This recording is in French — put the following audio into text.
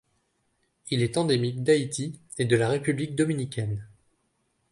Il est endémique d'Haïti et de la République dominicaine.